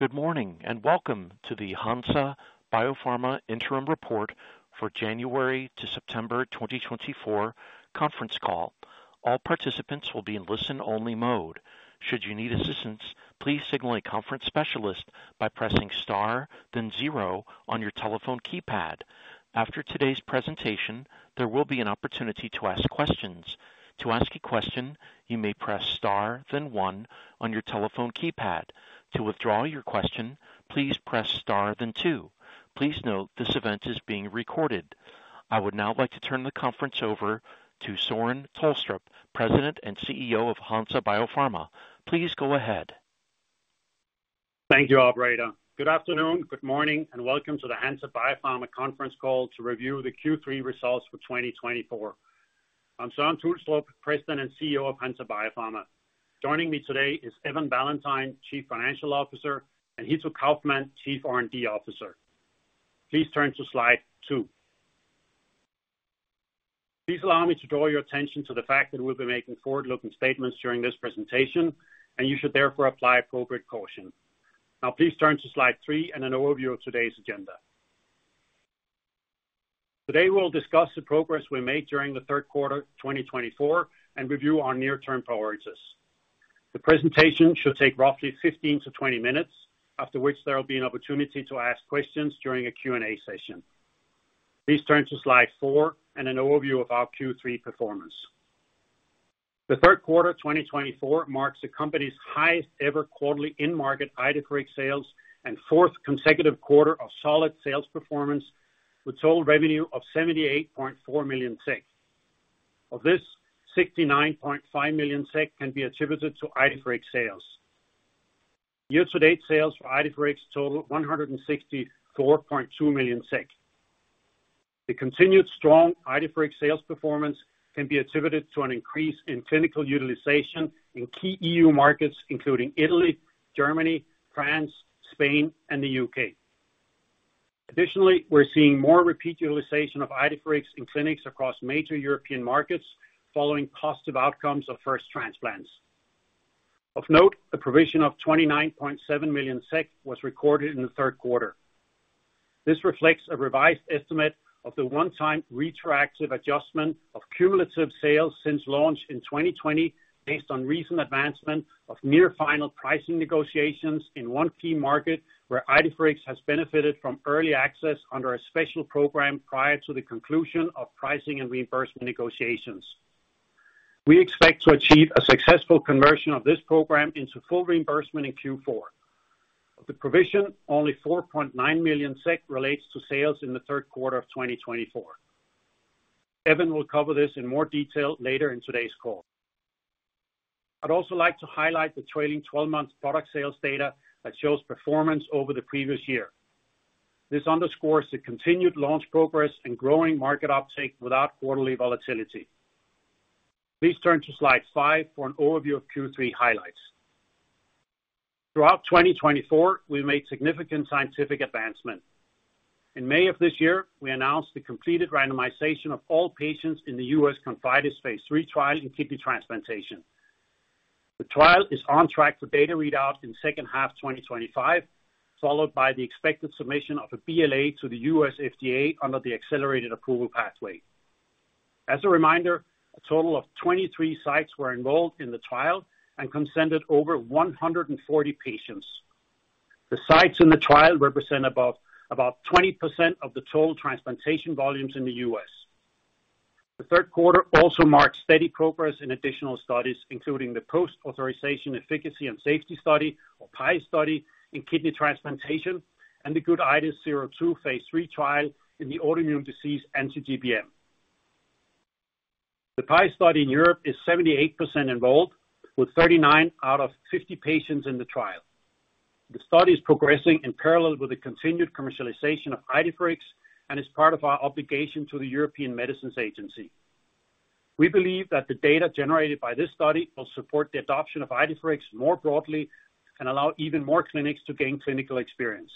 Good morning, and welcome to the Hansa Biopharma Interim Report for January to September 2024 conference call. All participants will be in listen-only mode. Should you need assistance, please signal a conference specialist by pressing Star, then zero on your telephone keypad. After today's presentation, there will be an opportunity to ask questions. To ask a question, you may press Star, then one on your telephone keypad. To withdraw your question, please press Star, then two. Please note, this event is being recorded. I would now like to turn the conference over to Søren Tulstrup, President and CEO of Hansa Biopharma. Please go ahead. Thank you, operator. Good afternoon, good morning, and welcome to the Hansa Biopharma conference call to review the Q3 results for twenty twenty-four. I'm Søren Tulstrup, President and CEO of Hansa Biopharma. Joining me today is Evan Ballantyne, Chief Financial Officer, and Hitto Kaufmann, Chief R&D Officer. Please turn to slide two. Please allow me to draw your attention to the fact that we'll be making forward-looking statements during this presentation, and you should therefore apply appropriate caution. Now, please turn to slide three and an overview of today's agenda. Today, we'll discuss the progress we made during the third quarter, 2024, and review our near-term priorities. The presentation should take roughly fifteen to twenty minutes, after which there will be an opportunity to ask questions during a Q&A session. Please turn to slide four and an overview of our Q3 performance. The third quarter of 2024 marks the company's highest ever quarterly end-market Idefirix sales and fourth consecutive quarter of solid sales performance, with total revenue of 78.4 million SEK. Of this, 69.5 million SEK can be attributed to Idefirix sales. Year-to-date sales for Idefirix total 164.2 million SEK. The continued strong Idefirix sales performance can be attributed to an increase in clinical utilization in key EU markets, including Italy, Germany, France, Spain, and the U.K. Additionally, we're seeing more repeat utilization of Idefirix in clinics across major European markets following good outcomes of first transplants. Of note, a provision of 29.7 million SEK was recorded in the third quarter. This reflects a revised estimate of the one-time retroactive adjustment of cumulative sales since launch in 2020, based on recent advancement of near-final pricing negotiations in one key market, where Idefirix has benefited from early access under a special program prior to the conclusion of pricing and reimbursement negotiations. We expect to achieve a successful conversion of this program into full reimbursement in Q4. The provision, only 4.9 million SEK, relates to sales in the third quarter of2024. Evan will cover this in more detail later in today's call. I'd also like to highlight the trailing 12 month product sales data that shows performance over the previous year. This underscores the continued launch progress and growing market uptake without quarterly volatility. Please turn to slide five for an overview of Q3 highlights. Throughout 2024, we've made significant scientific advancements. In May of this year, we announced the completed randomization of all patients in the U.S. CONFIDES phase III trial in kidney transplantation. The trial is on track for data readouts in second half 2025, followed by the expected submission of a BLA to the U.S. FDA under the accelerated approval pathway. As a reminder, a total of 23 sites were involved in the trial and consented over 140 patients. The sites in the trial represent above about 20% of the total transplantation volumes in the U.S. The third quarter also marked steady progress in additional studies, including the Post-Authorization Efficacy and Safety Study, or PAES study, in kidney transplantation and the GOOD-IDES-02 phase III trial in the autoimmune disease, anti-GBM. The PAES study in Europe is 78% enrolled, with 39 out of 50 patients in the trial. The study is progressing in parallel with the continued commercialization of Idefirix and is part of our obligation to the European Medicines Agency. We believe that the data generated by this study will support the adoption of Idefirix more broadly and allow even more clinics to gain clinical experience.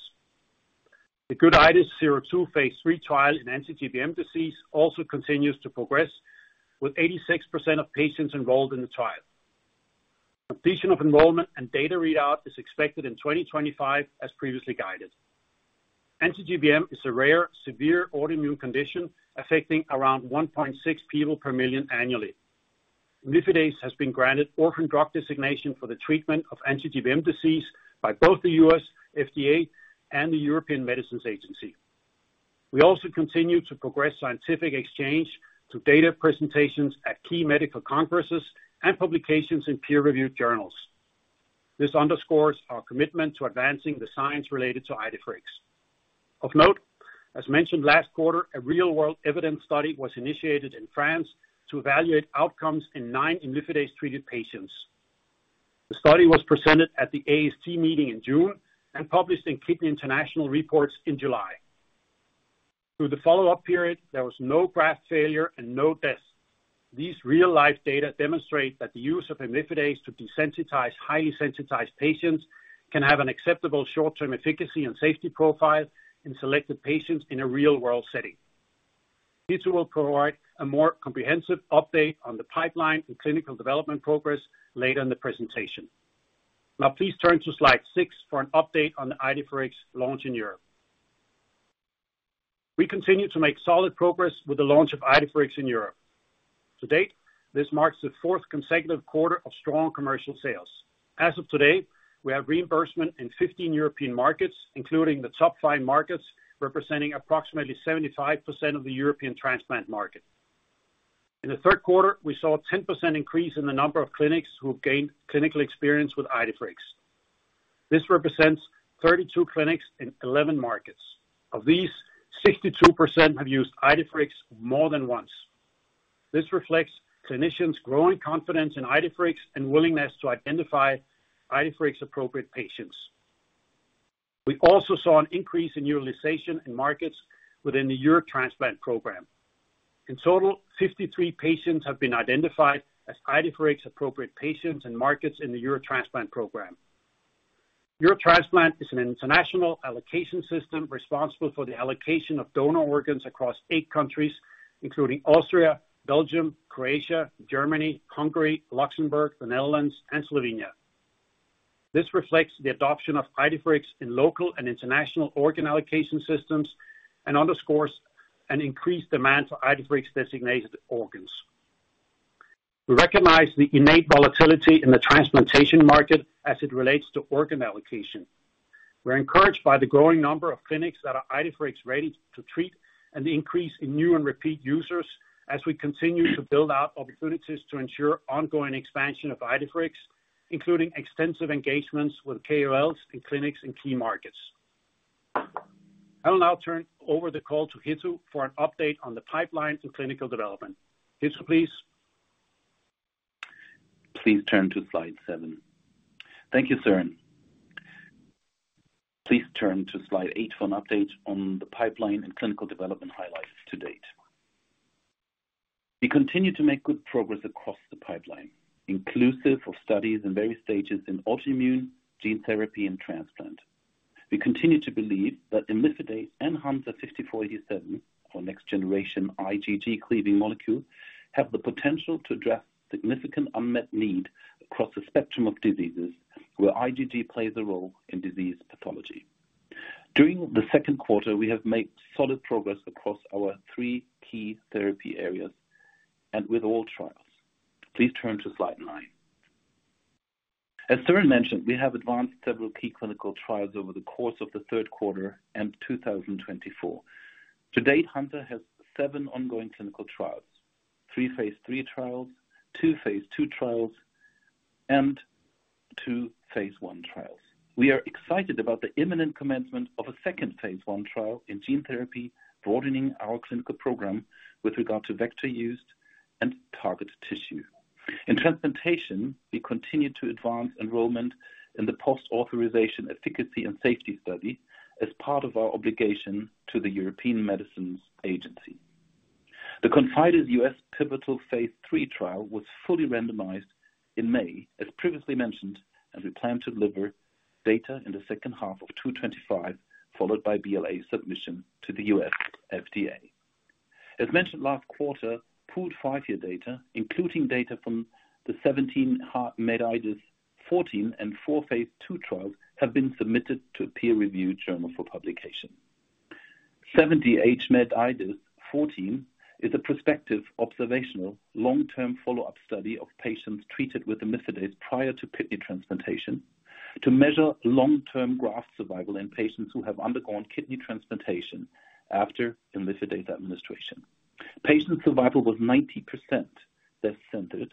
The GOOD-IDES-02 phase III trial in anti-GBM disease also continues to progress, with 86% of patients enrolled in the trial. Completion of enrollment and data readout is expected in 2025, as previously guided. Anti-GBM is a rare, severe autoimmune condition affecting around 1.6 people per million annually. Imlifidase has been granted orphan drug designation for the treatment of anti-GBM disease by both the U.S. FDA and the European Medicines Agency. We also continue to progress scientific exchange to data presentations at key medical conferences and publications in peer-reviewed journals. This underscores our commitment to advancing the science related to Idefirix. Of note, as mentioned last quarter, a real-world evidence study was initiated in France to evaluate outcomes in nine imlifidase-treated patients. The study was presented at the AST meeting in June and published in Kidney International Reports in July. Through the follow-up period, there was no graft failure and no deaths. These real-life data demonstrate that the use of imlifidase to desensitize highly sensitized patients can have an acceptable short-term efficacy and safety profile in selected patients in a real-world setting.... Hitto will provide a more comprehensive update on the pipeline and clinical development progress later in the presentation. Now, please turn to slide six for an update on the Idefirix launch in Europe. We continue to make solid progress with the launch of Idefirix in Europe. To date, this marks the fourth consecutive quarter of strong commercial sales. As of today, we have reimbursement in 15 European markets, including the top five markets, representing approximately 75% of the European transplant market. In the third quarter, we saw a 10% increase in the number of clinics who gained clinical experience with Idefirix. This represents 32 clinics in 11 markets. Of these, 62% have used Idefirix more than once. This reflects clinicians' growing confidence in Idefirix and willingness to identify Idefirix appropriate patients. We also saw an increase in utilization in markets within the Eurotransplant program. In total, 53 patients have been identified as Idefirix appropriate patients in markets in the Eurotransplant program. Eurotransplant is an international allocation system responsible for the allocation of donor organs across eight countries, including Austria, Belgium, Croatia, Germany, Hungary, Luxembourg, the Netherlands, and Slovenia. This reflects the adoption of Idefirix in local and international organ allocation systems and underscores an increased demand for Idefirix designated organs. We recognize the innate volatility in the transplantation market as it relates to organ allocation. We're encouraged by the growing number of clinics that are Idefirix ready to treat and the increase in new and repeat users as we continue to build out opportunities to ensure ongoing expansion of Idefirix, including extensive engagements with KOLs in clinics and key markets. I will now turn over the call to Hitto for an update on the pipeline to clinical development. Hitto, please. Please turn to slide seven. Thank you, Søren. Please turn to slide eight for an update on the pipeline and clinical development highlights to date. We continue to make good progress across the pipeline, inclusive of studies in various stages in autoimmune, gene therapy, and transplant. We continue to believe that imlifidase and HNSA-5487, our next generation IgG cleaving molecule, have the potential to address significant unmet need across the spectrum of diseases where IgG plays a role in disease pathology. During the second quarter, we have made solid progress across our three key therapy areas and with all trials. Please turn to slide nine. As Søren mentioned, we have advanced several key clinical trials over the course of the third quarter and 2024. To date, Hansa has seven ongoing clinical trials, three phase III trials, two phase II trials, and two phase I trials. We are excited about the imminent commencement of a second phase I trial in gene therapy, broadening our clinical program with regard to vector use and target tissue. In transplantation, we continue to advance enrollment in the post-authorization efficacy and safety study as part of our obligation to the European Medicines Agency. The CONFIDES US pivotal phase III trial was fully randomized in May, as previously mentioned, and we plan to deliver data in the second half of 2025, followed by BLA submission to the US FDA. As mentioned last quarter, pooled five-year data, including data from the 17-HMedIdes-14 and four phase II trials, have been submitted to a peer-reviewed journal for publication. 17-HMedIdes-14 is a prospective, observational, long-term follow-up study of patients treated with imlifidase prior to kidney transplantation to measure long-term graft survival in patients who have undergone kidney transplantation after imlifidase administration. Patient survival was 90% death-censored,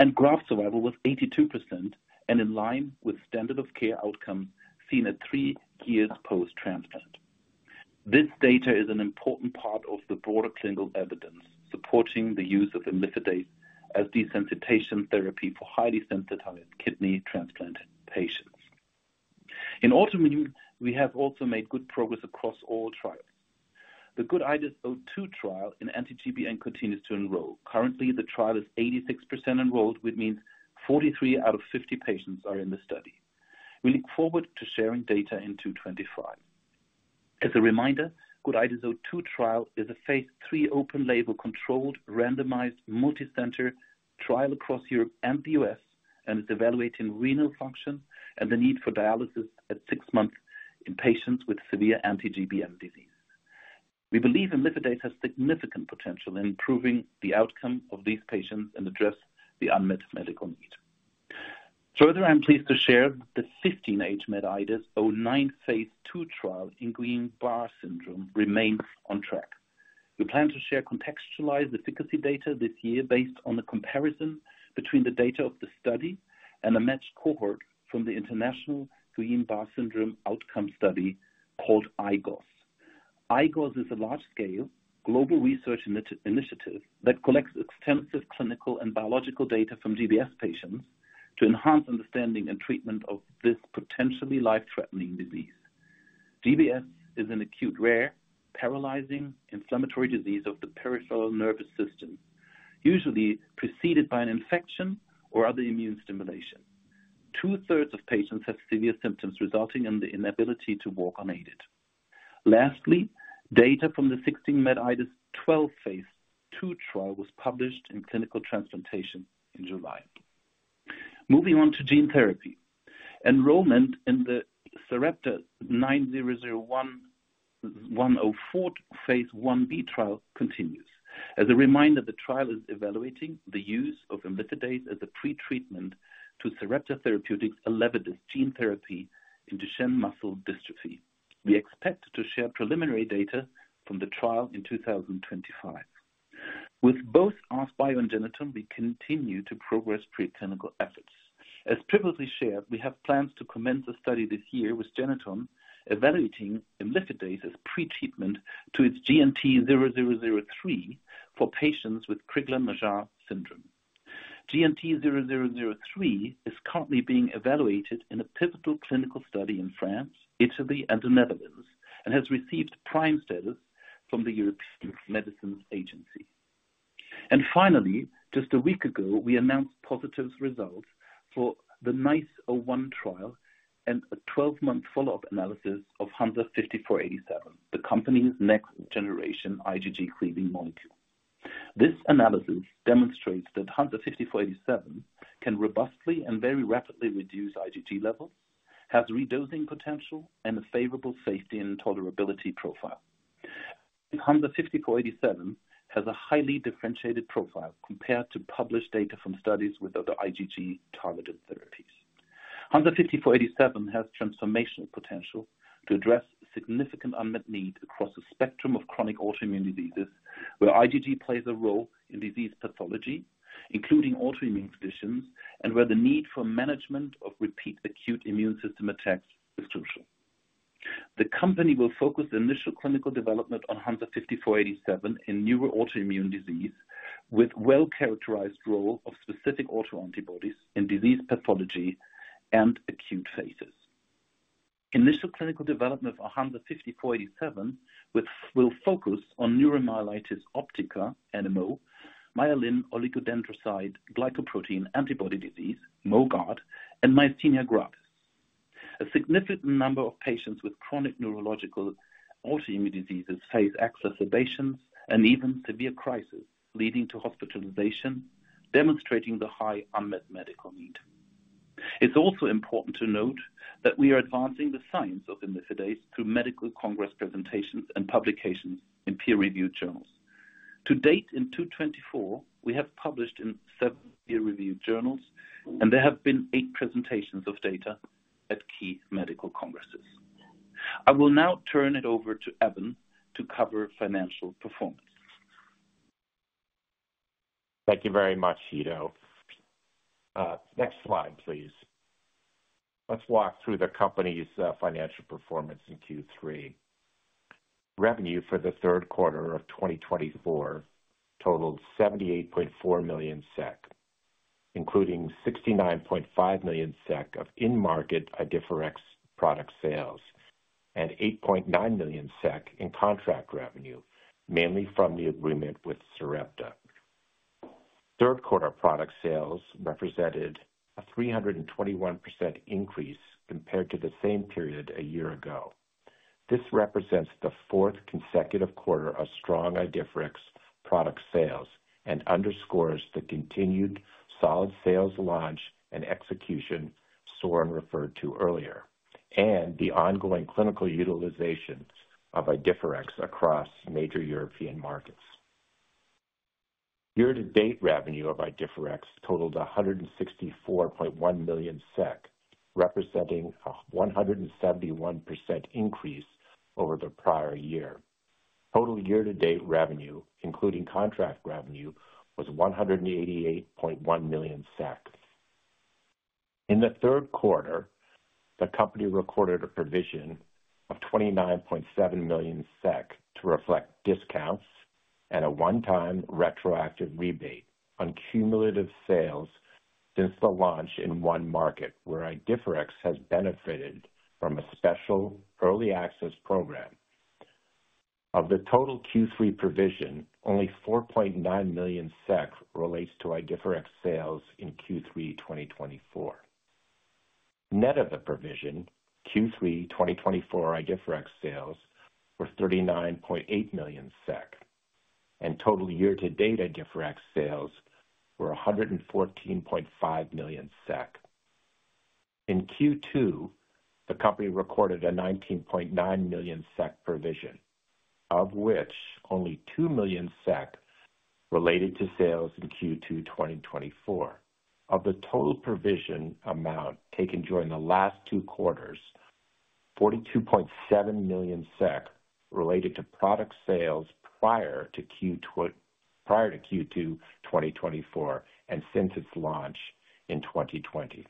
and graft survival was 82% and in line with standard of care outcomes seen at three years post-transplant. This data is an important part of the broader clinical evidence supporting the use of Idefirix as desensitization therapy for highly sensitized kidney transplant patients. In autoimmune, we have also made good progress across all trials. The GOOD-IDES-02 trial in anti-GBM continues to enroll. Currently, the trial is 86% enrolled, which means 43 out of 50 patients are in the study. We look forward to sharing data in 2025. As a reminder, GOOD-IDES-02 trial is a phase III, open label, controlled, randomized, multicenter trial across Europe and the U.S., and is evaluating renal function and the need for dialysis at six months in patients with severe anti-GBM disease. We believe imlifidase has significant potential in improving the outcome of these patients and address the unmet medical need. Further, I'm pleased to share the 15-HMedIdes-09 phase II trial in Guillain-Barré syndrome remains on track. We plan to share contextualized efficacy data this year based on the comparison between the data of the study and a matched cohort from the International Guillain-Barré Syndrome Outcome Study, called IGOS. IGOS is a large-scale global research initiative that collects extensive clinical and biological data from GBS patients to enhance understanding and treatment of this potentially life-threatening disease. GBS is an acute, rare, paralyzing inflammatory disease of the peripheral nervous system, usually preceded by an infection or other immune stimulation. Two-thirds of patients have severe symptoms, resulting in the inability to walk unaided. Lastly, data from the 16-HMedIdes-12 phase II trial was published in Clinical Transplantation in July. Moving on to gene therapy. Enrollment in the Sarepta 9001-104 phase I-B trial continues. As a reminder, the trial is evaluating the use of imlifidase as a pretreatment to Sarepta Therapeutics' Elevidys gene therapy in Duchenne muscular dystrophy. We expect to share preliminary data from the trial in 2025. With both AskBio and Genethon, we continue to progress preclinical efforts. As previously shared, we have plans to commence a study this year with Genethon, evaluating imlifidase as pretreatment to its GNT-0003 for patients with Crigler-Najjar syndrome. GNT-0003 is currently being evaluated in a pivotal clinical study in France, Italy, and the Netherlands, and has received PRIME status from the European Medicines Agency. Finally, just a week ago, we announced positive results for the NICE-01 trial and a 12 month follow-up analysis of HNSA-5487, the company's next-generation IgG cleaving molecule. This analysis demonstrates that HNSA-5487 can robustly and very rapidly reduce IgG levels, has redosing potential, and a favorable safety and tolerability profile. HNSA-5487 has a highly differentiated profile compared to published data from studies with other IgG-targeted therapies. HNSA-5487 has transformational potential to address significant unmet needs across a spectrum of chronic autoimmune diseases, where IgG plays a role in disease pathology, including autoimmune conditions, and where the need for management of repeat acute immune system attacks is crucial. The company will focus the initial clinical development on HNSA-5487 in neuro autoimmune disease, with well-characterized role of specific autoantibodies in disease pathology and acute phases. Initial clinical development of HNSA-5487, which will focus on neuromyelitis optica, NMO, myelin oligodendrocyte glycoprotein antibody disease, MOGAD, and myasthenia gravis. A significant number of patients with chronic neurological autoimmune diseases face exacerbations and even severe crisis, leading to hospitalization, demonstrating the high unmet medical need. It's also important to note that we are advancing the science of imlifidase through medical congress presentations and publications in peer-reviewed journals. To date, in 2024, we have published in seven peer-reviewed journals, and there have been eight presentations of data at key medical congresses. I will now turn it over to Evan to cover financial performance. Thank you very much, Hitto. Next slide, please. Let's walk through the company's financial performance in Q3. Revenue for the third quarter of 2024 totaled 78.4 million SEK, including 69.5 million SEK of in-market Idefirix product sales and 8.9 million SEK in contract revenue, mainly from the agreement with Sarepta. Third quarter product sales represented a 321% increase compared to the same period a year ago. This represents the fourth consecutive quarter of strong Idefirix product sales and underscores the continued solid sales launch and execution Søren referred to earlier, and the ongoing clinical utilizations of Idefirix across major European markets. Year-to-date revenue of Idefirix totaled 164.1 million SEK, representing a 171% increase over the prior year. Total year-to-date revenue, including contract revenue, was 188.1 million SEK. In the third quarter, the company recorded a provision of 29.7 million SEK to reflect discounts and a one-time retroactive rebate on cumulative sales since the launch in one market, where Idefirix has benefited from a special early access program. Of the total Q3 provision, only 4.9 million SEK relates to Idefirix sales in Q3 2024. Net of the provision, Q3 2024 Idefirix sales were 39.8 million SEK, and total year-to-date Idefirix sales were 114.5 million SEK. In Q2, the company recorded a 19.9 million SEK provision, of which only 2 million SEK related to sales in Q2 2024. Of the total provision amount taken during the last two quarters, 42.7 million SEK related to product sales prior to Q2 2024 and since its launch in 2020.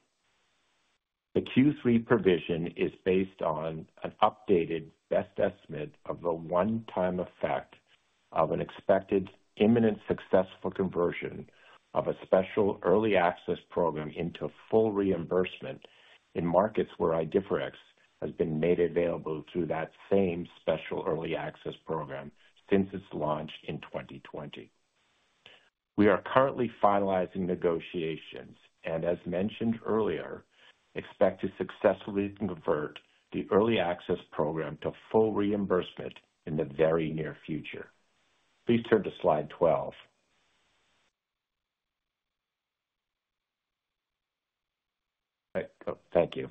The Q3 provision is based on an updated best estimate of the one-time effect of an expected imminent successful conversion of a special early access program into full reimbursement in markets where Idefirix has been made available through that same special early access program since its launch in 2020. We are currently finalizing negotiations, and as mentioned earlier, expect to successfully convert the early access program to full reimbursement in the very near future. Please turn to slide 12. Thank you.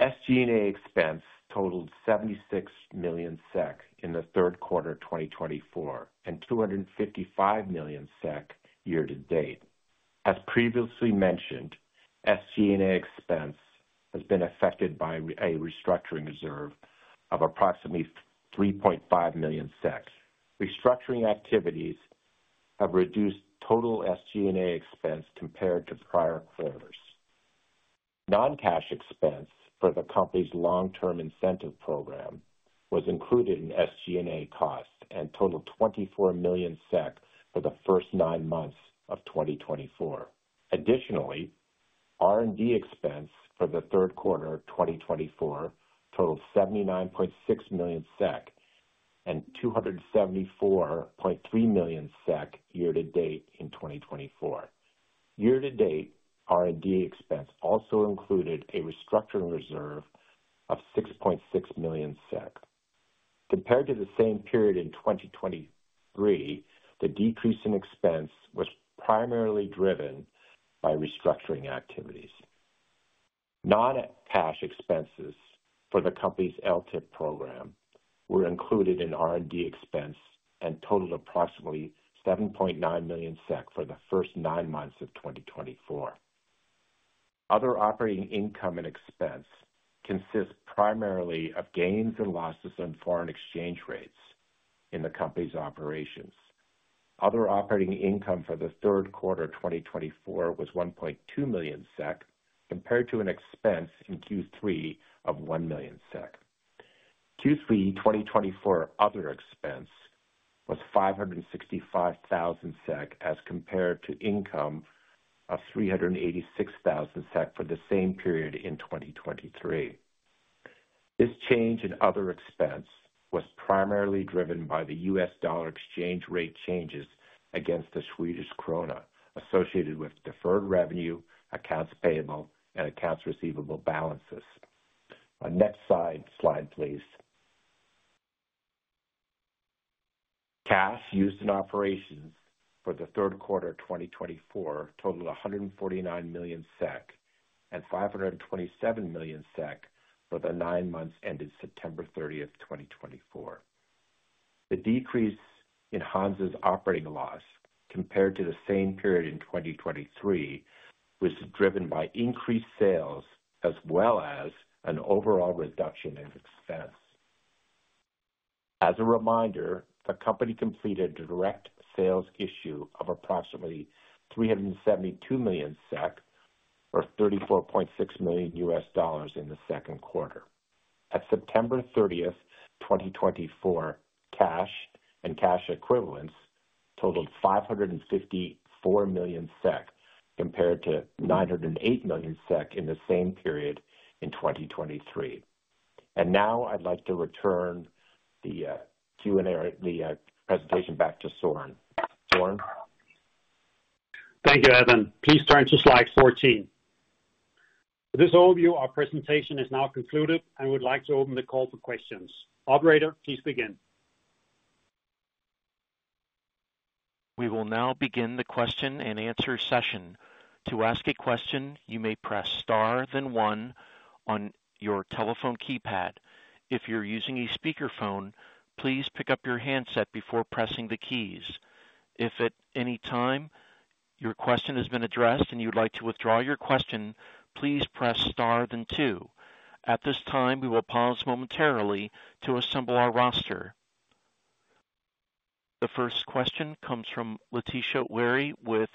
SG&A expense totaled 76 million SEK in the third quarter of 2024, and 255 million SEK year-to-date. As previously mentioned, SG&A expense has been affected by a restructuring reserve of approximately 3.5 million SEK. Restructuring activities have reduced total SG&A expense compared to prior quarters. Non-cash expense for the company's long-term incentive program was included in SG&A costs and totaled 24 million SEK for the first nine months of 2024. Additionally, R&D expense for the third quarter of 2024 totaled 79.6 million SEK and 274.3 million SEK year-to-date in 2024. Year-to-date, R&D expense also included a restructuring reserve of 6.6 million SEK. Compared to the same period in 2023, the decrease in expense was primarily driven by restructuring activities. Non-cash expenses for the company's LTIP program were included in R&D expense and totaled approximately 7.9 million SEK for the first nine months of 2024. Other operating income and expense consists primarily of gains and losses on foreign exchange rates in the company's operations. Other operating income for the third quarter of 2024 was 1.2 million SEK, compared to an expense in Q3 of 1 million SEK. Q3 2024 other expense was 565,000 SEK, as compared to income of 386,000 SEK for the same period in 2023. This change in other expense was primarily driven by the U.S. dollar exchange rate changes against the Swedish krona associated with deferred revenue, accounts payable, and accounts receivable balances. Next slide, please. Cash used in operations for the third quarter of 2024 totaled 149 million SEK and 527 million SEK for the nine months ended September 30, 2024. The decrease in Hansa's operating loss compared to the same period in 2023 was driven by increased sales as well as an overall reduction in expense. As a reminder, the company completed a direct share issue of approximately 372 million SEK, or $34.6 million in the second quarter. At September 30, 2024, cash and cash equivalents totaled 554 million SEK, compared to 908 million SEK in the same period in 2023. And now I'd like to return the Q&A, the presentation back to Søren. Søren? Thank you, Evan. Please turn to slide 14. With this overview, our presentation is now concluded and we'd like to open the call for questions. Operator, please begin. We will now begin the question-and-answer session. To ask a question, you may press star then one on your telephone keypad. If you're using a speakerphone, please pick up your handset before pressing the keys. If at any time your question has been addressed and you'd like to withdraw your question, please press star then two. At this time, we will pause momentarily to assemble our roster. The first question comes from Laetitia Wehry with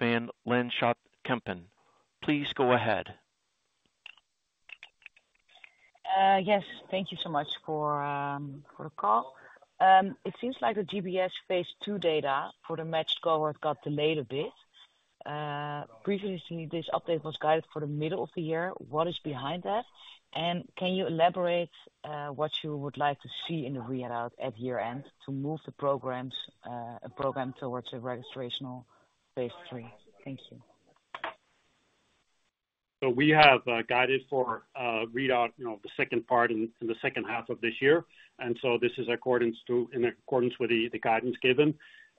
Van Lanschot Kempen. Please go ahead. Yes, thank you so much for the call. It seems like the GBS phase II data for the matched cohort got delayed a bit. Previously, this update was guided for the middle of the year. What is behind that? And can you elaborate what you would like to see in the readout at year-end to move the program towards a registrational phase III? Thank you. So we have guided for readout, you know, the second part in the second half of this year, and so this is in accordance with the guidance given.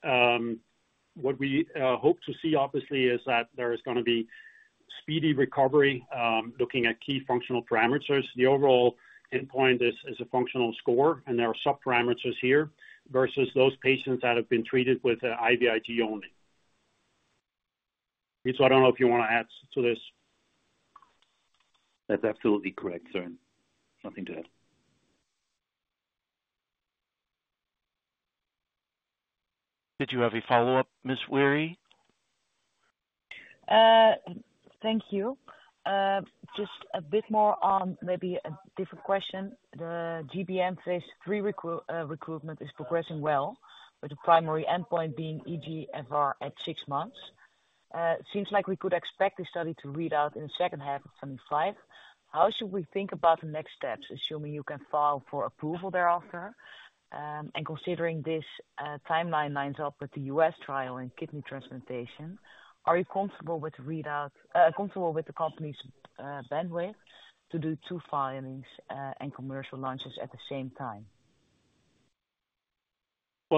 What we hope to see, obviously, is that there is going to be speedy recovery, looking at key functional parameters. The overall endpoint is a functional score, and there are sub-parameters here, versus those patients that have been treated with IVIG only. Evans, I don't know if you want to add to this. That's absolutely correct, Søren. Nothing to add. Did you have a follow-up, Ms. Wehry? Thank you. Just a bit more on maybe a different question. The GBM phase III recruitment is progressing well, with the primary endpoint being eGFR at six months. ... Seems like we could expect the study to read out in the second half of 2025. How should we think about the next steps, assuming you can file for approval thereafter? And considering this timeline lines up with the U.S. trial and kidney transplantation, are you comfortable with readout, comfortable with the company's bandwidth to do two filings and commercial launches at the same time?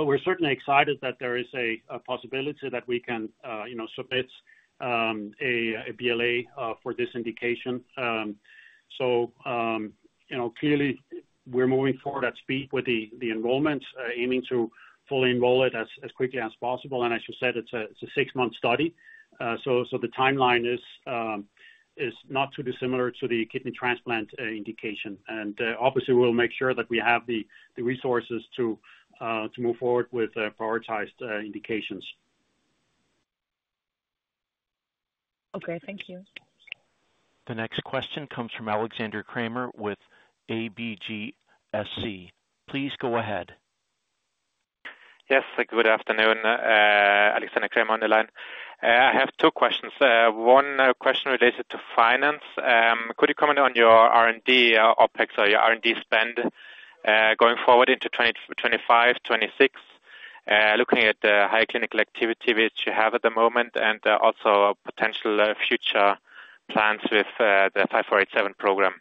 We're certainly excited that there is a possibility that we can, you know, submit a BLA for this indication. You know, clearly we're moving forward at speed with the enrollment, aiming to fully enroll it as quickly as possible. As you said, it's a six-month study. The timeline is not too dissimilar to the kidney transplant indication. Obviously, we'll make sure that we have the resources to move forward with prioritized indications. Okay, thank you. The next question comes from Alexander Krämer with ABGSC. Please go ahead. Yes, good afternoon. Alexander Krämer on the line. I have two questions. One question related to finance. Could you comment on your R&D OpEx or your R&D spend going forward into 2025, 2026? Looking at the high clinical activity which you have at the moment, and also potential future plans with the 5487 program.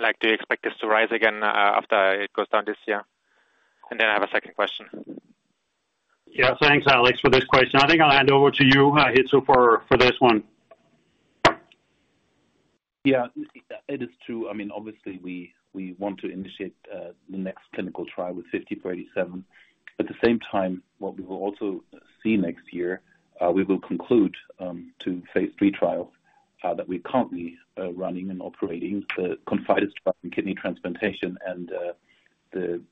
Like, do you expect this to rise again after it goes down this year? And then I have a second question. Yeah. Thanks, Alex, for this question. I think I'll hand over to you, Hitto, for this one. Yeah, it is true. I mean, obviously, we want to initiate the next clinical trial with HNSA-5487. At the same time, what we will also see next year, we will conclude two phase III trials that we're currently running and operating, the CONFIDES trial in kidney transplantation and the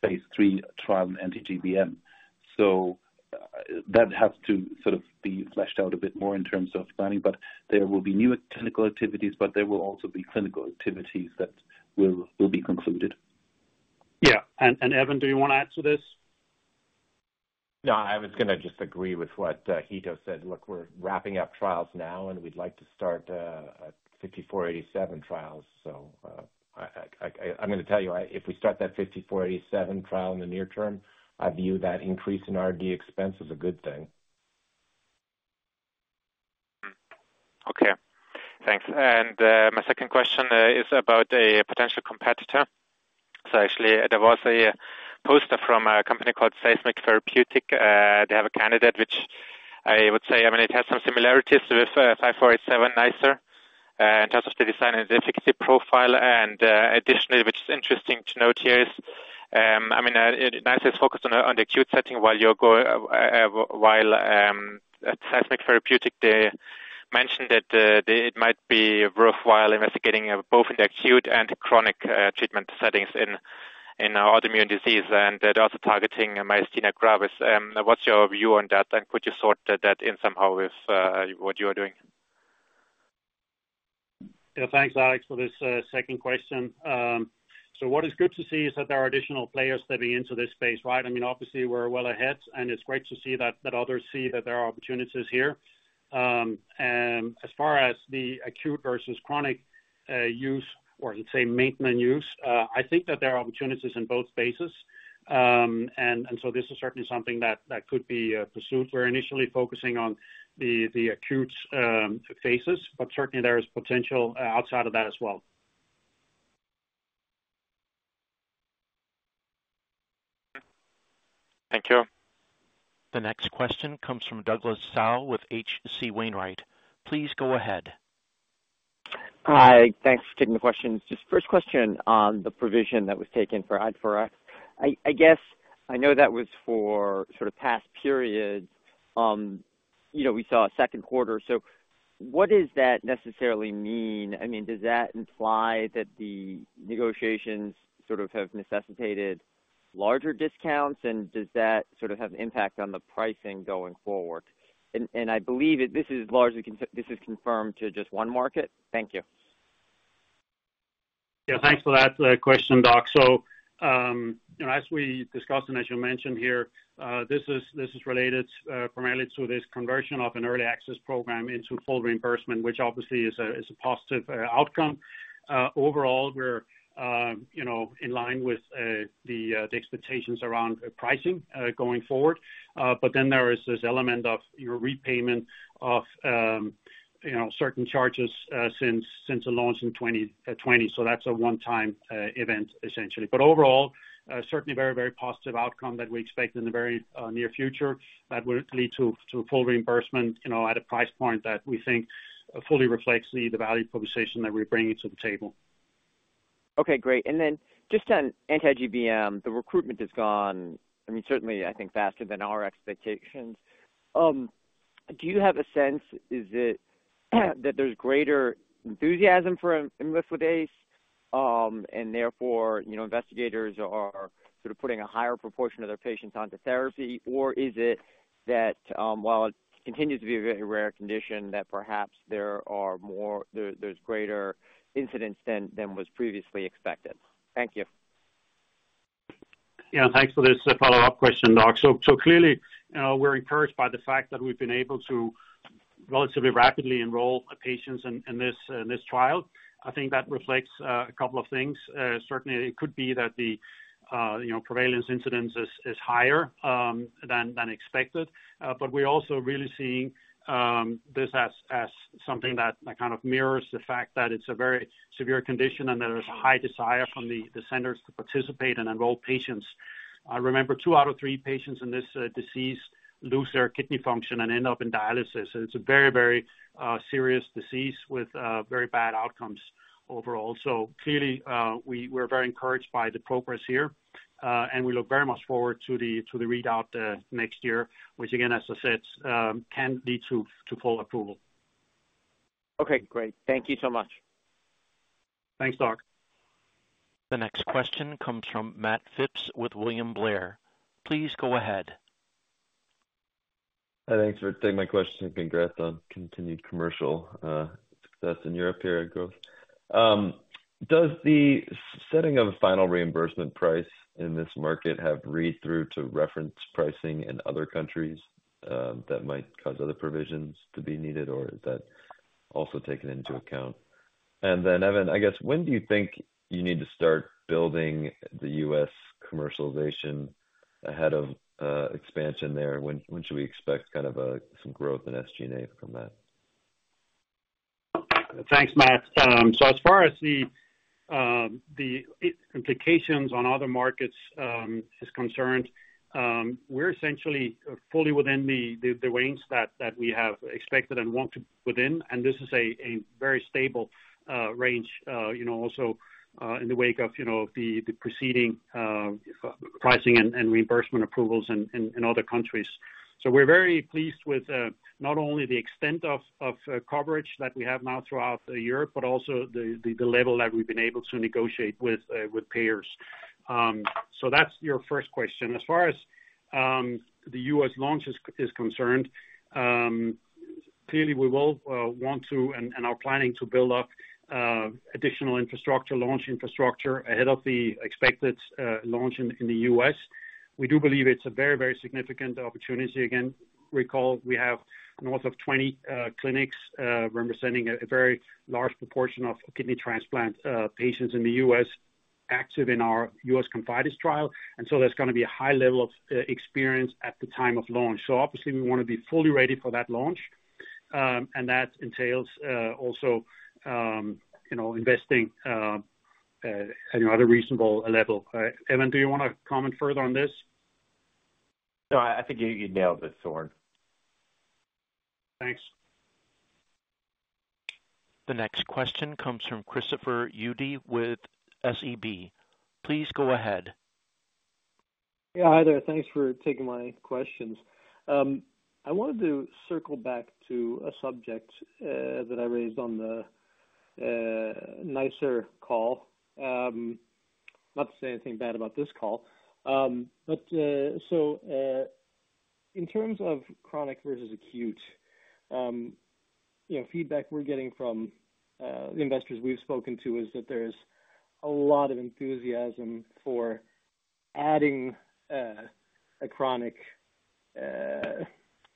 phase III trial in anti-GBM. So that has to sort of be fleshed out a bit more in terms of planning, but there will be new technical activities, but there will also be clinical activities that will be concluded. Yeah. And Evan, do you want to add to this? No, I was going to just agree with what Hitto said. Look, we're wrapping up trials now, and we'd like to start HNSA-5487 trials. So, I'm going to tell you, if we start that HNSA-5487 trial in the near term, I view that increase in R&D expense as a good thing. Okay, thanks. And my second question is about a potential competitor. So actually, there was a poster from a company called Seismic Therapeutic. They have a candidate which I would say, I mean, it has some similarities with HNSA-5487 NiceR in terms of the design and the efficacy profile. And additionally, which is interesting to note here is, I mean, NiceR is focused on the acute setting, while at Seismic Therapeutic, they mentioned that it might be worthwhile investigating both in the acute and chronic treatment settings in autoimmune disease, and they're also targeting myasthenia gravis. What's your view on that, and would you sort that in somehow with what you are doing? Yeah, thanks, Alex, for this second question. What is good to see is that there are additional players stepping into this space, right? I mean, obviously, we're well ahead, and it's great to see that others see that there are opportunities here, and as far as the acute versus chronic use or let's say, maintenance use, I think that there are opportunities in both spaces, and so this is certainly something that could be pursued. We're initially focusing on the acute phases, but certainly there is potential outside of that as well. Thank you. The next question comes from Douglas Tsao with H.C. Wainwright. Please go ahead. Hi. Thanks for taking the questions. Just first question on the provision that was taken for Austria. I guess I know that was for sort of past periods. You know, we saw a second quarter. So what does that necessarily mean? I mean, does that imply that the negotiations sort of have necessitated larger discounts, and does that sort of have an impact on the pricing going forward? And I believe that this is largely confined to just one market. Thank you. Yeah, thanks for that, question, Doug. So, you know, as we discussed and as you mentioned here, this is related primarily to this conversion of an early access program into full reimbursement, which obviously is a positive outcome. Overall, we're you know, in line with the expectations around pricing going forward. But then there is this element of your repayment of you know, certain charges since the launch in 2020. So that's a one-time event, essentially. But overall, certainly very, very positive outcome that we expect in the very near future. That will lead to full reimbursement, you know, at a price point that we think fully reflects the value proposition that we're bringing to the table. Okay, great. And then just on anti-GBM, the recruitment has gone, I mean, certainly, I think, faster than our expectations. Do you have a sense, is it that there's greater enthusiasm for imlifidase, and therefore, you know, investigators are sort of putting a higher proportion of their patients onto therapy? Or is it that, while it continues to be a very rare condition, that perhaps there are more, there's greater incidence than was previously expected? Thank you.... Yeah, thanks for this follow-up question, Doc. So, clearly, we're encouraged by the fact that we've been able to relatively rapidly enroll patients in this trial. I think that reflects a couple of things. Certainly it could be that the you know, prevalence incidence is higher than expected. But we're also really seeing this as something that kind of mirrors the fact that it's a very severe condition and that there's high desire from the centers to participate and enroll patients. Remember, two out of three patients in this disease lose their kidney function and end up in dialysis, and it's a very, very serious disease with very bad outcomes overall. Clearly, we're very encouraged by the progress here, and we look very much forward to the readout next year, which again, as I said, can lead to full approval. Okay, great. Thank you so much. Thanks, Doug. The next question comes from Matt Phipps with William Blair. Please go ahead. Hi, thanks for taking my question, and congrats on continued commercial success in Europe here at growth. Does the setting of a final reimbursement price in this market have read through to reference pricing in other countries that might cause other provisions to be needed, or is that also taken into account? And then, Evan, I guess, when do you think you need to start building the U.S. commercialization ahead of expansion there? When should we expect kind of some growth in SG&A from that? Thanks, Matt. So as far as the implications on other markets is concerned, we're essentially fully within the range that we have expected and want to within, and this is a very stable range, you know, also in the wake of the preceding pricing and reimbursement approvals in other countries. So we're very pleased with not only the extent of coverage that we have now throughout Europe, but also the level that we've been able to negotiate with payers. So that's your first question. As far as the U.S. launch is concerned, clearly we will want to and are planning to build up additional infrastructure, launch infrastructure ahead of the expected launch in the U.S. We do believe it's a very, very significant opportunity. Again, recall we have north of 20 clinics, representing a very large proportion of kidney transplant patients in the U.S., active in our U.S. CONFIDES trial, and so there's gonna be a high level of experience at the time of launch. So obviously we want to be fully ready for that launch, and that entails also, you know, investing at a reasonable level. Evan, do you want to comment further on this? No, I think you nailed it, Søren. Thanks. The next question comes from Christopher Uhde with SEB. Please go ahead. Yeah, hi there. Thanks for taking my questions. I wanted to circle back to a subject that I raised on the NiceR call. Not to say anything bad about this call. But so, in terms of chronic versus acute, you know, feedback we're getting from the investors we've spoken to is that there's a lot of enthusiasm for adding a chronic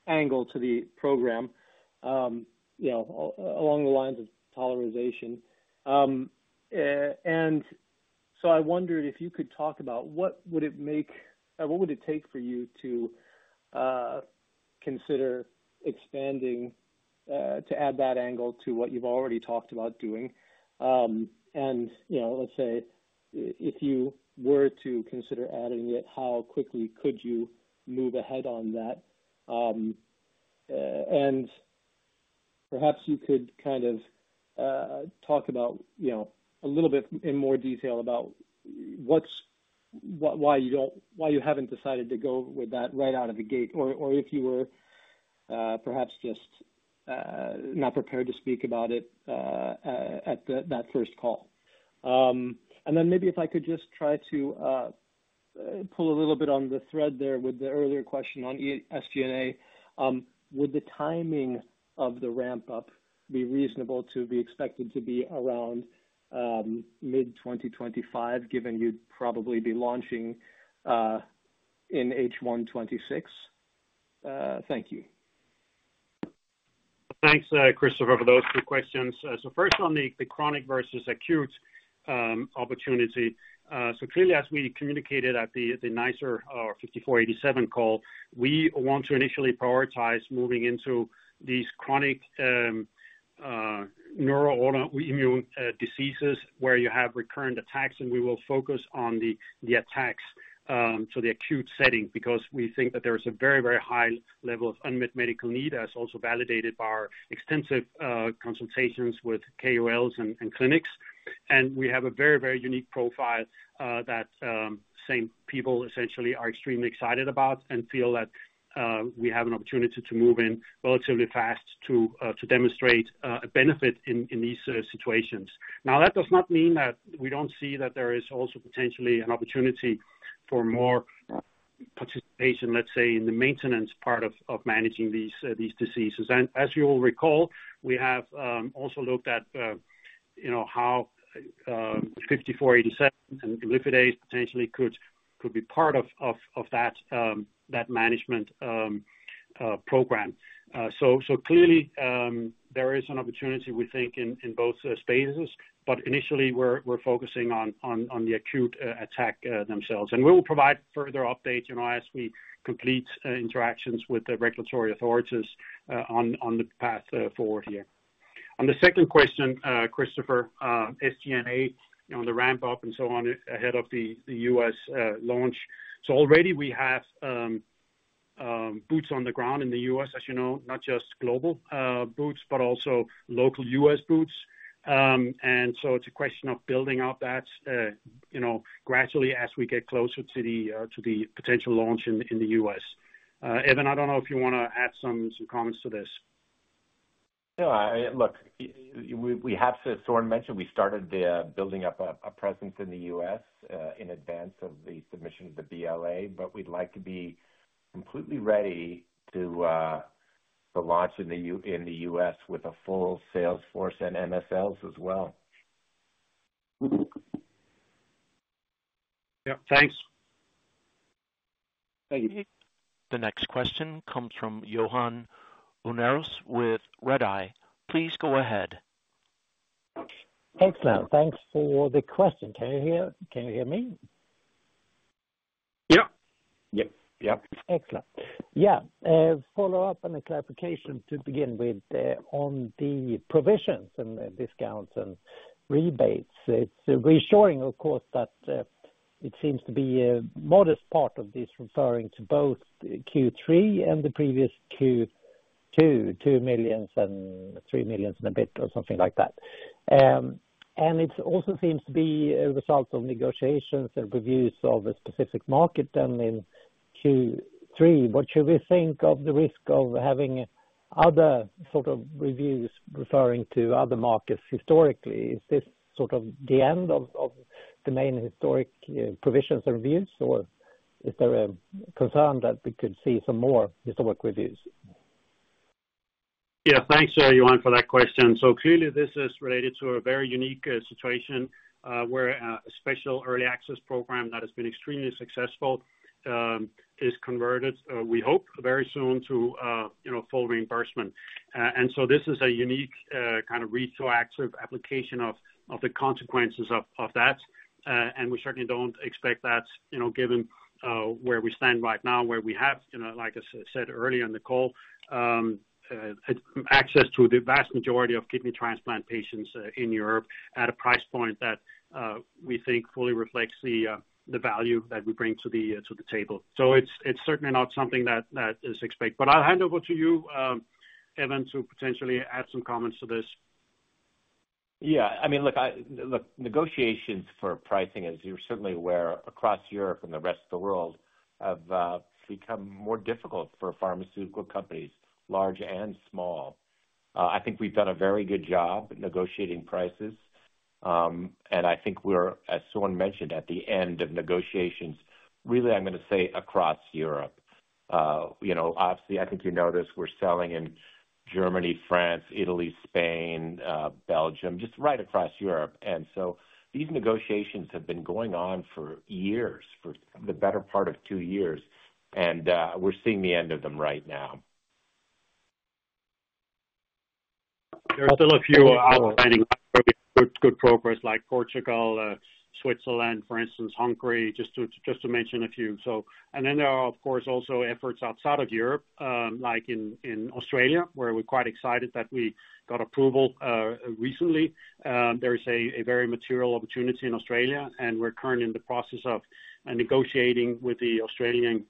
angle to the program, you know, along the lines of tolerization. And so I wondered if you could talk about what would it make-- what would it take for you to consider expanding to add that angle to what you've already talked about doing? And, you know, let's say if you were to consider adding it, how quickly could you move ahead on that? And perhaps you could kind of talk about, you know, a little bit in more detail about why you don't, why you haven't decided to go with that right out of the gate, or if you were perhaps just not prepared to speak about it at that first call. And then maybe if I could just try to pull a little bit on the thread there with the earlier question on SG&A. Would the timing of the ramp-up be reasonable to be expected to be around mid-2025, given you'd probably be launching in H1-26? Thank you. Thanks, Christopher, for those two questions. So first on the chronic versus acute opportunity. Clearly, as we communicated at the HNSA-5487 call, we want to initially prioritize moving into these chronic neuro autoimmune diseases, where you have recurrent attacks, and we will focus on the attacks, so the acute setting. Because we think that there is a very, very high level of unmet medical need, as also validated by our extensive consultations with KOLs and clinics. And we have a very, very unique profile that same people essentially are extremely excited about and feel that we have an opportunity to move in relatively fast to demonstrate a benefit in these situations. Now, that does not mean that we don't see that there is also potentially an opportunity for more participation, let's say, in the maintenance part of managing these diseases. As you will recall, we have also looked at, you know, how HNSA-5487 and imlifidase potentially could be part of that management program. Clearly, there is an opportunity, we think, in both spaces, but initially we're focusing on the acute attacks themselves. We will provide further updates, you know, as we complete interactions with the regulatory authorities on the path forward here. On the second question, Christopher, SGNA, you know, the ramp up and so on, ahead of the U.S. launch. So already we have boots on the ground in the U.S., as you know, not just global boots, but also local U.S. boots. And so it's a question of building out that, you know, gradually as we get closer to the potential launch in the U.S. Evan, I don't know if you wanna add some comments to this. No, look, we have, as Søren mentioned, we started building up a presence in the U.S. in advance of the submission of the BLA, but we'd like to be completely ready to launch in the U.S. with a full sales force and MSLs as well. Yeah. Thanks. Thank you. The next question comes from Johan Unnérus with Redeye. Please go ahead. Excellent. Thanks for the question. Can you hear, can you hear me? Yeah. Yep. Yeah. Excellent. Yeah, follow up on the clarification to begin with, on the provisions and discounts and rebates. It's reassuring, of course, that it seems to be a modest part of this, referring to both Q3 and the previous Q2, 2 million and 3 million and a bit, or something like that. And it also seems to be a result of negotiations and reviews of a specific market than in Q3. What should we think of the risk of having other sort of reviews referring to other markets historically? Is this sort of the end of the main historic provisions and reviews, or is there a concern that we could see some more historic reviews? Yeah, thanks, Johan, for that question. So clearly, this is related to a very unique situation where a special early access program that has been extremely successful is converted, we hope, very soon to, you know, full reimbursement. And so this is a unique kind of retroactive application of the consequences of that. And we certainly don't expect that, you know, given where we stand right now, where we have, you know, like I said earlier in the call, access to the vast majority of kidney transplant patients in Europe at a price point that we think fully reflects the value that we bring to the table. So it's certainly not something that is expected. But I'll hand over to you, Evan, to potentially add some comments to this. Yeah, I mean, look, negotiations for pricing, as you're certainly aware, across Europe and the rest of the world, have become more difficult for pharmaceutical companies, large and small. I think we've done a very good job negotiating prices, and I think we're, as Søren mentioned, at the end of negotiations, really. I'm going to say, across Europe. You know, obviously, I think you notice we're selling in Germany, France, Italy, Spain, Belgium, just right across Europe. And so these negotiations have been going on for years, for the better part of two years, and we're seeing the end of them right now. There are still a few outstanding good progress like Portugal, Switzerland, for instance, Hungary, just to mention a few. So... and then there are, of course, also efforts outside of Europe, like in Australia, where we're quite excited that we got approval recently. There is a very material opportunity in Australia, and we're currently in the process of negotiating with the Australian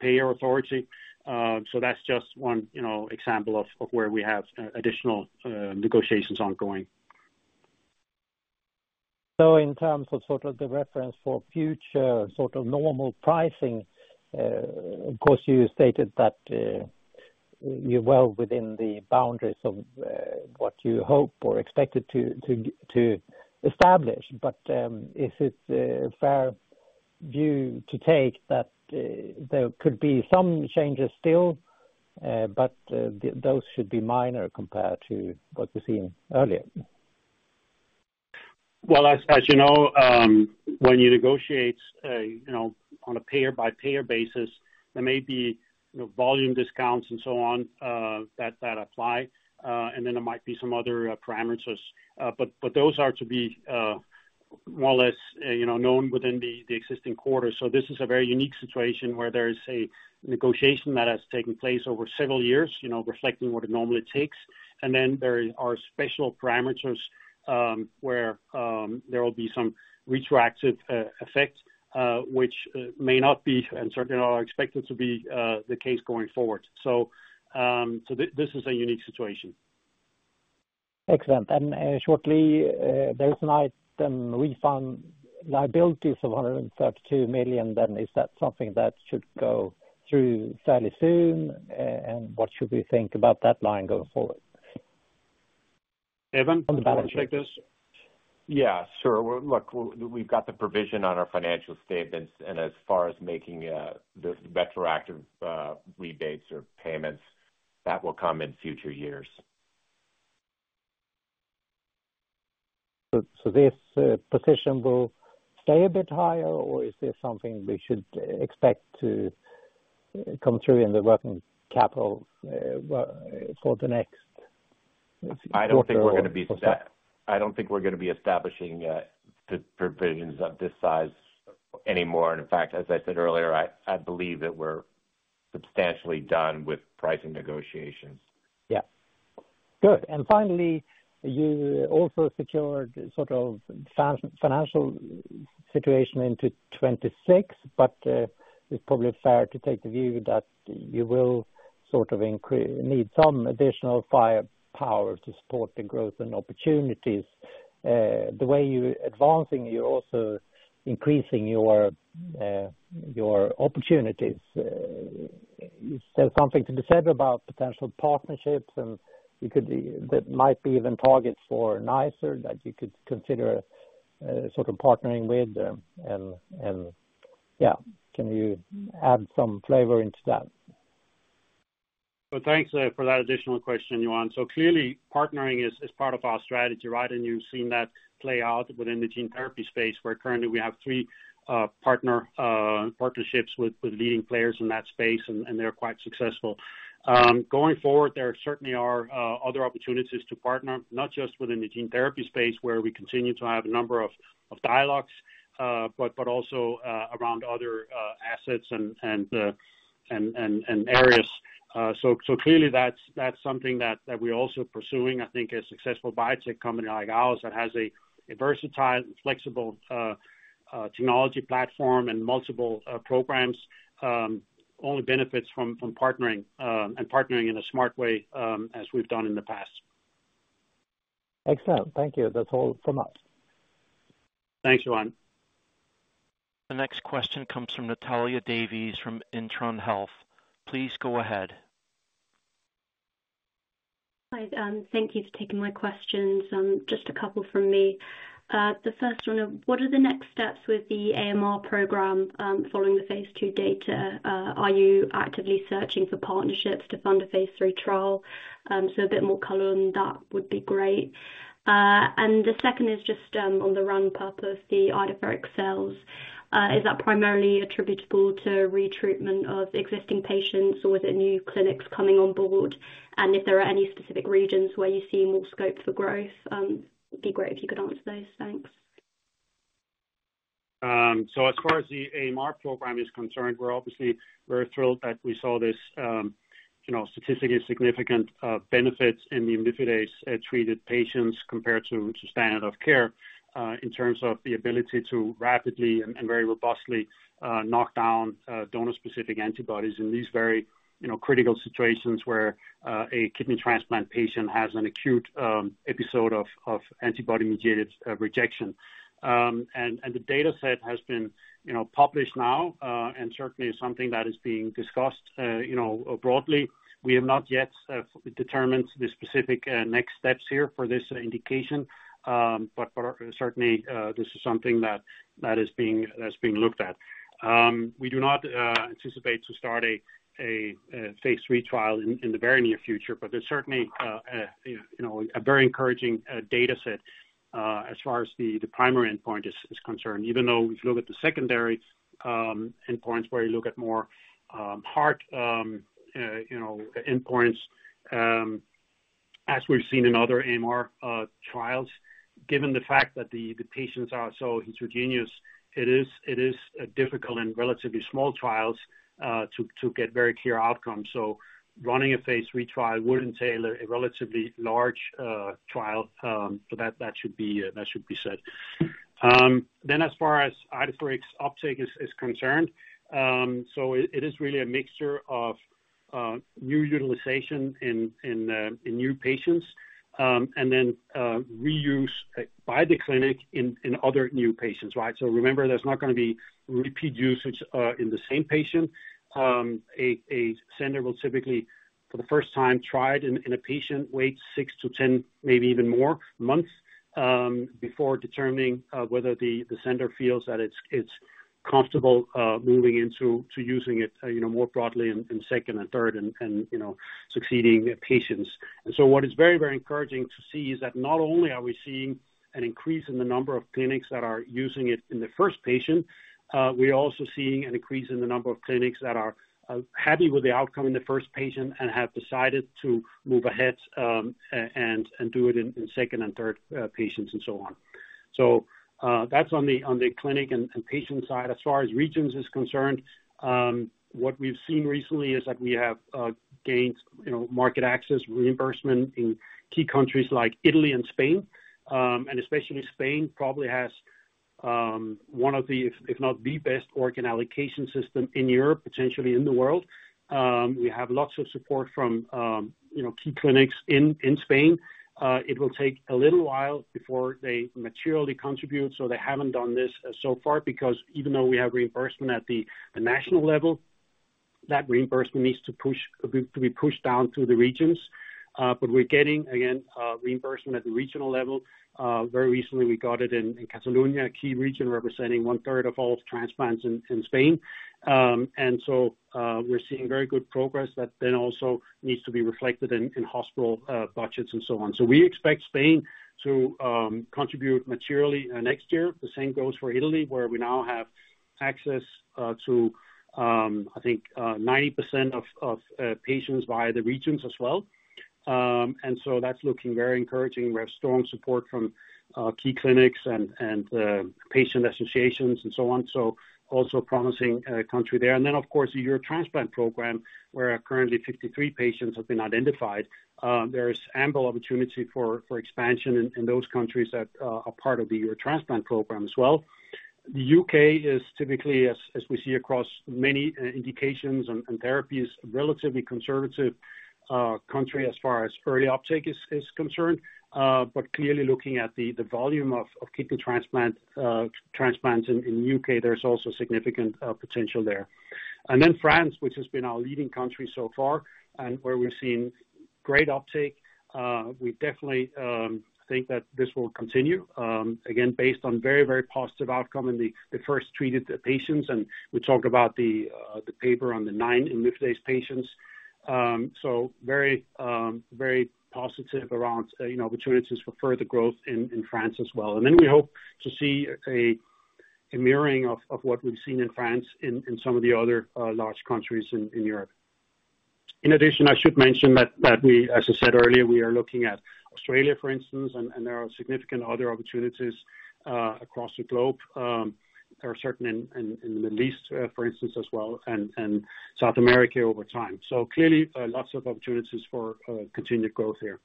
payer authority, so that's just one, you know, example of where we have additional negotiations ongoing. So in terms of sort of the reference for future, sort of normal pricing, of course, you stated that, you're well within the boundaries of, what you hope or expected to establish. But, is it a fair view to take that, there could be some changes still, but, those should be minor compared to what we've seen earlier? Well, as you know, when you negotiate, you know, on a payer by payer basis, there may be, you know, volume discounts and so on, that apply, and then there might be some other parameters. But those are to be, more or less, you know, known within the existing quarter. This is a very unique situation where there is a negotiation that has taken place over several years, you know, reflecting what it normally takes. And then there are special parameters, where there will be some retroactive effect, which may not be, and certainly are expected to be, the case going forward. So this is a unique situation. Excellent. And, shortly, there's an item, Refund Liabilities of 132 million, then is that something that should go through fairly soon? And what should we think about that line going forward?... Evan, do you want to take this? Yeah, sure. Well, look, we've got the provision on our financial statements, and as far as making the retroactive rebates or payments, that will come in future years. This position will stay a bit higher, or is there something we should expect to come through in the working capital for the next, let's see- I don't think we're gonna be, I don't think we're gonna be establishing provisions of this size anymore. In fact, as I said earlier, I believe that we're substantially done with pricing negotiations. Yeah. Good. And finally, you also secured sort of financial situation into 2026, but it's probably fair to take the view that you will sort of need some additional firepower to support the growth and opportunities. The way you're advancing, you're also increasing your opportunities. You said something to decide about potential partnerships, and you could, that might be even targets for NiceR, that you could consider sort of partnering with, and, and, yeah. Can you add some flavor into that? Thanks for that additional question, Johan. So clearly, partnering is part of our strategy, right? And you've seen that play out within the gene therapy space, where currently we have three partnerships with leading players in that space, and they're quite successful. Going forward, there certainly are other opportunities to partner, not just within the gene therapy space, where we continue to have a number of dialogues, but also around other assets and areas. So clearly, that's something that we're also pursuing. I think a successful biotech company like ours, that has a versatile and flexible technology platform and multiple programs, only benefits from partnering, and partnering in a smart way, as we've done in the past. Excellent. Thank you. That's all from us. Thanks, Johan. The next question comes from Natalya Davies, from Intron Health. Please go ahead. Hi, thank you for taking my questions, just a couple from me. The first one, what are the next steps with the AMR program, following the phase two data? Are you actively searching for partnerships to fund a phase III trial? So a bit more color on that would be great. And the second is just, on the revenue, the Idefirix sales. Is that primarily attributable to retreatment of existing patients, or with the new clinics coming on board? And if there are any specific regions where you see more scope for growth, it'd be great if you could answer those. Thanks. So as far as the AMR program is concerned, we're obviously very thrilled that we saw this, you know, statistically significant benefits in the imlifidase treated patients compared to standard of care in terms of the ability to rapidly and very robustly knock down donor-specific antibodies in these very, you know, critical situations, where a kidney transplant patient has an acute episode of antibody-mediated rejection. And the data set has been, you know, published now and certainly is something that is being discussed, you know, broadly. We have not yet determined the specific next steps here for this indication, but certainly this is something that is being looked at. We do not anticipate to start a phase III trial in the very near future, but there's certainly you know a very encouraging data set as far as the primary endpoint is concerned. Even though if you look at the secondary endpoints, where you look at more heart you know endpoints, as we've seen in other AMR trials, given the fact that the patients are so heterogeneous, it is difficult in relatively small trials to get very clear outcomes. So running a phase three trial would entail a relatively large trial, so that should be said. Then as far as Idefirix uptake is concerned, so it is really a mixture of new utilization in new patients, and then reuse by the clinic in other new patients, right? So remember, there's not gonna be repeat usage in the same patient. A center will typically, for the first time, try it in a patient, wait 6-10, maybe even more months, before determining whether the center feels that it's comfortable, moving into using it, you know, more broadly in second and third and you know, succeeding patients. And so what is very, very encouraging to see is that not only are we seeing an increase in the number of clinics that are using it in the first patient, we are also seeing an increase in the number of clinics that are happy with the outcome in the first patient and have decided to move ahead, and do it in second and third patients and so on. So, that's on the clinic and patient side. As far as regions is concerned, what we've seen recently is that we have gained, you know, market access, reimbursement in key countries like Italy and Spain. And especially Spain probably has one of the, if not the best organ allocation system in Europe, potentially in the world. We have lots of support from, you know, key clinics in Spain. It will take a little while before they materially contribute, so they haven't done this so far, because even though we have reimbursement at the national level, that reimbursement needs to push, to be pushed down to the regions. But we're getting, again, reimbursement at the regional level. Very recently, we got it in Catalonia, a key region representing one third of all transplants in Spain. And so, we're seeing very good progress that then also needs to be reflected in hospital budgets and so on. We expect Spain to contribute materially next year. The same goes for Italy, where we now have access to, I think, 90% of patients via the regions as well. And so that's looking very encouraging. We have strong support from key clinics and patient associations and so on. So also a promising country there. And then, of course, the EuroTransplant program, where currently 53 patients have been identified. There is ample opportunity for expansion in those countries that are part of the EuroTransplant program as well. The U.K. is typically, as we see across many indications and therapies, relatively conservative country as far as early uptake is concerned. But clearly looking at the volume of kidney transplants in the U.K., there's also significant potential there. And then France, which has been our leading country so far, and where we've seen great uptake. We definitely think that this will continue, again, based on very, very positive outcome in the first treated patients, and we talked about the paper on the nine imlifidase patients, so very, very positive around, you know, opportunities for further growth in France as well, and then we hope to see a mirroring of what we've seen in France in some of the other large countries in Europe. In addition, I should mention that, as I said earlier, we are looking at Australia, for instance, and there are significant other opportunities across the globe. There are certain in the Middle East, for instance, as well, and South America over time, so clearly lots of opportunities for continued growth here.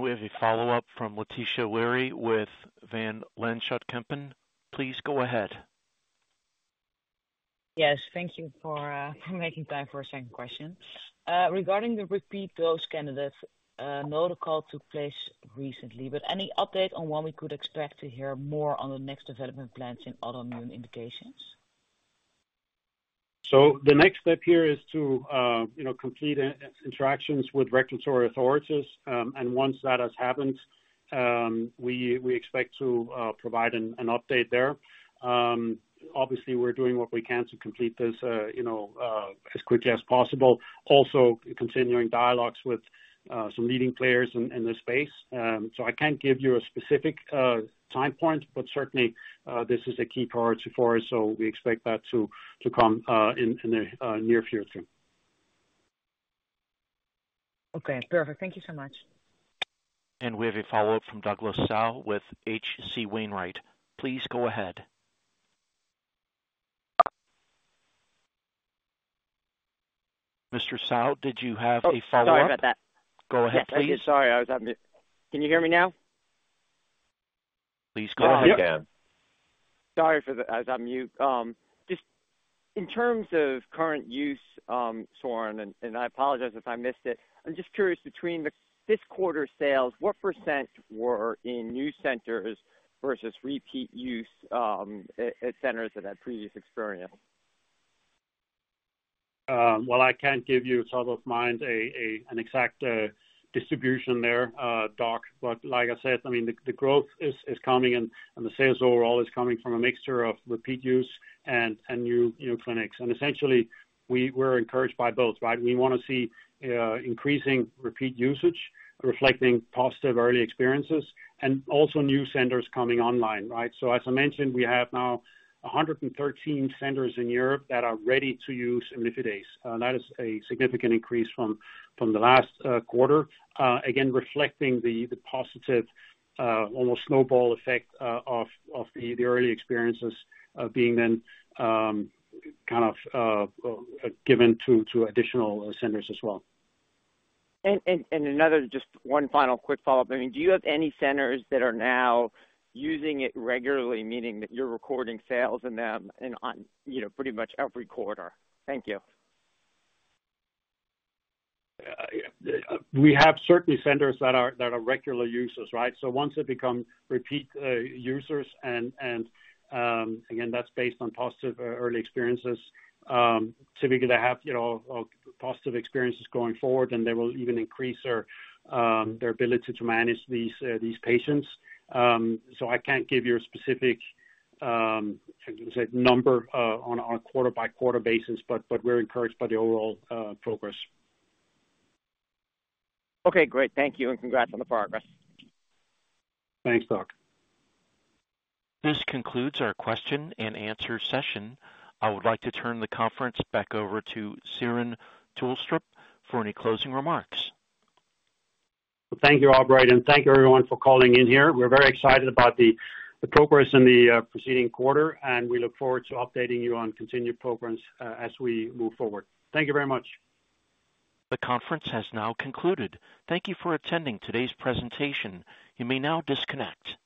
We have a follow-up from Laetitia Wehry with Van Lanschot Kempen. Please go ahead. Yes, thank you for, for making time for a second question. Regarding the repeat dose candidate, no call took place recently, but any update on when we could expect to hear more on the next development plans in autoimmune indications? So the next step here is to, you know, complete interactions with regulatory authorities. And once that has happened, we expect to provide an update there. Obviously, we're doing what we can to complete this, you know, as quickly as possible. Also, continuing dialogues with some leading players in this space. So I can't give you a specific time point, but certainly this is a key priority for us, so we expect that to come in the near future. Okay, perfect. Thank you so much. And we have a follow-up from Douglas Tsao with H.C. Wainwright. Please go ahead. Mr. Tsao, did you have a follow-up? Oh, sorry about that. Go ahead, please. Sorry, I was on mute. Can you hear me now? Please go ahead again. Sorry for that. I was on mute. Just in terms of current use, Søren, and I apologize if I missed it. I'm just curious, between this quarter sales, what percent were in new centers versus repeat use, at centers that had previous experience? Well, I can't give you, top of mind, an exact distribution there, Doug, but like I said, I mean, the growth is coming and the sales overall is coming from a mixture of repeat use and new clinics. Essentially, we're encouraged by both, right? We wanna see increasing repeat usage, reflecting positive early experiences and also new centers coming online, right? As I mentioned, we have now 113 centers in Europe that are ready to use imlifidase. That is a significant increase from the last quarter. Again, reflecting the positive almost snowball effect of the early experiences being then kind of given to additional centers as well. Another just one final quick follow-up. I mean, do you have any centers that are now using it regularly, meaning that you're recording sales in them and on, you know, pretty much every quarter? Thank you. We have certain centers that are regular users, right? So once they become repeat users and again, that's based on positive early experiences, typically, they have, you know, positive experiences going forward, and they will even increase their ability to manage these patients. So I can't give you a specific number on a quarter-by-quarter basis, but we're encouraged by the overall progress. Okay, great. Thank you, and congrats on the progress. Thanks, Doug. This concludes our question and answer session. I would like to turn the conference back over to Søren Tulstrup for any closing remarks. Thank you, Albright, and thank you, everyone, for calling in here. We're very excited about the progress in the preceding quarter, and we look forward to updating you on continued progress as we move forward. Thank you very much. The conference has now concluded. Thank you for attending today's presentation. You may now disconnect.